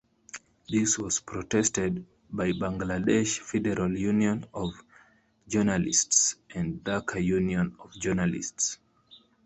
This was protested by Bangladesh Federal Union of Journalists and Dhaka Union of Journalists.